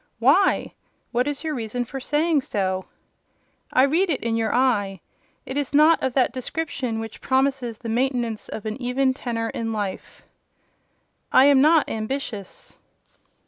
"Why? What is your reason for saying so?" "I read it in your eye; it is not of that description which promises the maintenance of an even tenor in life." "I am not ambitious."